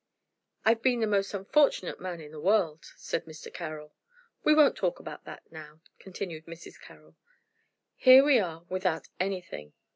"I've been the most unfortunate man in the world," said Mr. Carroll. "We won't talk about that now," continued Mrs. Carroll. "Here we are without anything."